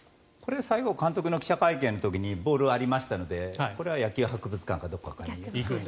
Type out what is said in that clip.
最後、監督の記者会見の時にボールはありましたのでこれは野球博物館かどこかに。